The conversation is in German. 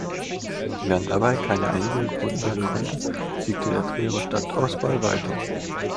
Während dabei keine Einigung gefunden werden konnte, siegte die Trierer Stadtauswahl weiter.